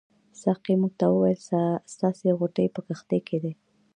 ساقي موږ ته وویل ستاسې غوټې په کښتۍ کې دي.